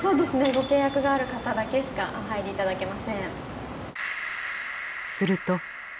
ご契約がある方だけしかお入りいただけません。